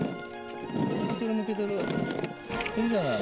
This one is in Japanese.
むけてるむけてるいいじゃない。